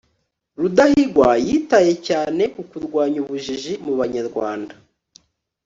rudahigwa yitaye cyane ku kurwanya ubujiji mu banyarwanda